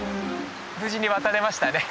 無事に渡れましたね。